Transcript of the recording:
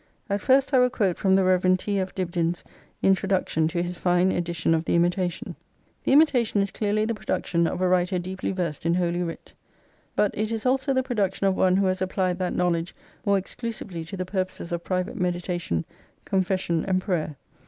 And first I will quote from the Rev. T. F, Dibdin's Introduction to his fine edition of the "Imitation" :—" The ' Imitation ' is clearly the production of a writer deeply versed in holy writ ; but it is also the production of one who has applied that knowledge more exclu sively to the purposes of private meditation, confession, and prayer.